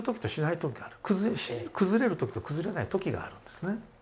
崩れる時と崩れない時があるんですね。